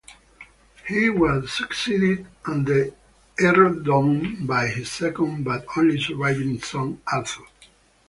He was succeeded on the earldom by his second but only surviving son, Arthur.